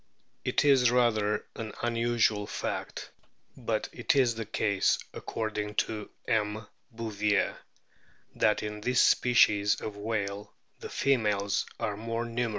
It is rather an unusual fact, but it is the case according to M. Bouvier* that in this species of whale the females are more numerous f than the males.